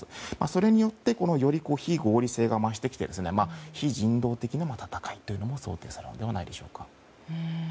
それによってより非合理性が増してきて非人道的な戦いも想定されるのではないでしょうか。